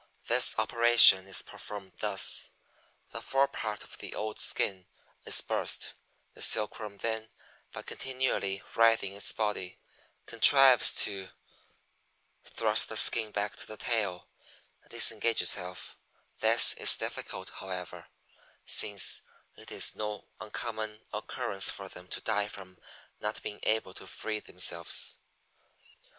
This operation is performed thus: The forepart of the old skin is burst; the Silkworm then, by continually writhing its body, contrives to thrust the skin back to the tail and disengage itself; this is difficult, however, since it is no uncommon occurrence for them to die from not being able to free themselves.